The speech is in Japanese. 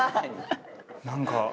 何か。